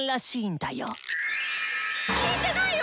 聞いてないよ